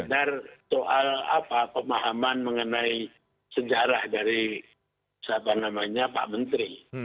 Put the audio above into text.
tentara soal apa pemahaman mengenai sejarah dari siapa namanya pak menteri